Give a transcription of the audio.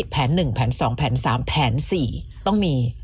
แผน๑แผน๒แผน๓แผน๔ต้องมี